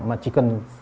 mà chỉ cần